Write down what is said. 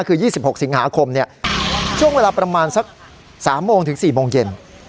คือยี่สิบหกสิบหาคมเนี้ยช่วงเวลาประมาณสักสามโมงถึงสี่โมงเย็น